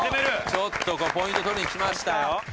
ちょっとポイント取りにきましたよ。